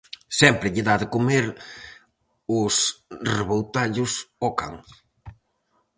Sempre lle dá de comer os reboutallos ao can.